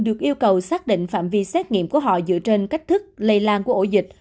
được yêu cầu xác định phạm vi xét nghiệm của họ dựa trên cách thức lây lan của ổ dịch